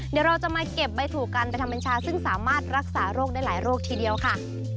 เดี๋ยวเราจะมาเก็บใบถูกกันไปทำบัญชาซึ่งสามารถรักษาโรคได้หลายโรคทีเดียวค่ะ